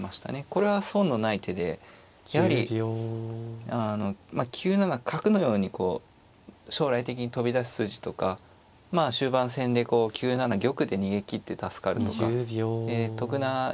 これは損のない手でやはりあの９七角のようにこう将来的に飛び出す筋とかまあ終盤戦で９七玉で逃げきって助かるとかえ得な一手だと思います。